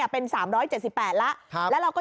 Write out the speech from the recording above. เป็น๓๙๐เอ่อ๓๙๘นะคะ